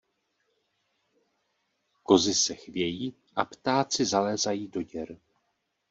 Kozy se chvějí, a ptáci zalézají do děr.